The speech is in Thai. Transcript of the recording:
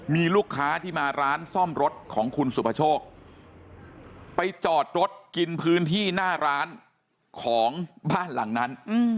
มีลูกค้าที่มาร้านซ่อมรถของคุณสุภโชคไปจอดรถกินพื้นที่หน้าร้านของบ้านหลังนั้น